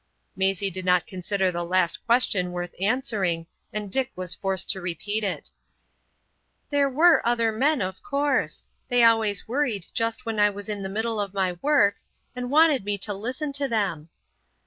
Maisie did not consider the last question worth answering, and Dick was forced to repeat it. "There were other men, of course. They always worried just when I was in the middle of my work, and wanted me to listen to them."